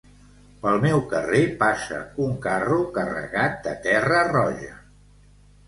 Pel meu carrer passa un carro carregat de terra roja.